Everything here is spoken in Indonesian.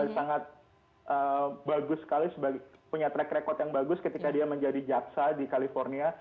sangat bagus sekali punya track record yang bagus ketika dia menjadi jaksa di california